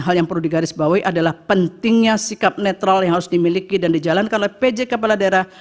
hal yang perlu digarisbawahi adalah pentingnya sikap netral yang harus dimiliki dan dijalankan oleh pj kepala daerah